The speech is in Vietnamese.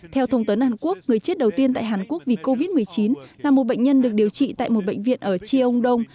theo thông tấn hàn quốc người chết đầu tiên tại hàn quốc vì covid một mươi chín là một bệnh nhân được điều trị tại một bệnh viện ở cheongdong